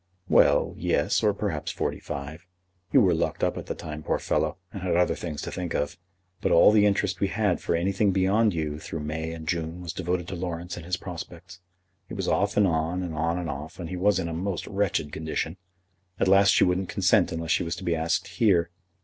"Well; yes, or perhaps forty five. You were locked up at the time, poor fellow, and had other things to think of; but all the interest we had for anything beyond you through May and June was devoted to Laurence and his prospects. It was off and on, and on and off, and he was in a most wretched condition. At last she wouldn't consent unless she was to be asked here."